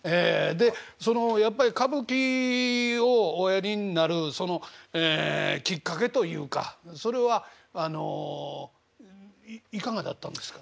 でそのやっぱり歌舞伎をおやりになるそのきっかけというかそれはあのいかがだったんですか？